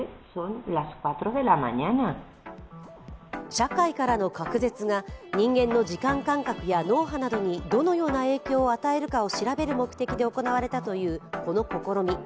社会からの隔絶が人間の時間感覚や脳波などにどのような影響を与えるかを調べる目的で行われたというこの試み。